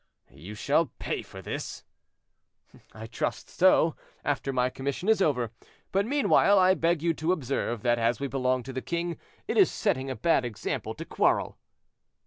"You shall pay for this." "I trust so, after my commission is over; but, meanwhile, I beg you to observe that as we belong to the king, it is setting a bad example to quarrel."